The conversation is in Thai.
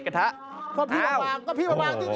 ก็พี่ปะบางตรงนี้